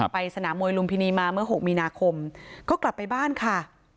ไปสนามมวยลุมพินีมาเมื่อ๖มีนาคมก็กลับไปบ้านค่ะ